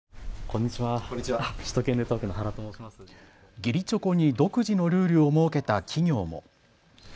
義理チョコに独自のルールを設けた企業も。